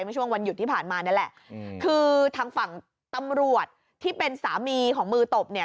เมื่อช่วงวันหยุดที่ผ่านมานี่แหละคือทางฝั่งตำรวจที่เป็นสามีของมือตบเนี่ย